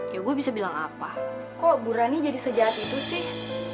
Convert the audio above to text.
ya gue bisa bilang apa kok burani jadi sejahat itu sih